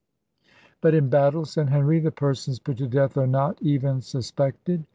"But in battle," said Henry, "the persons put to death are not even suspected."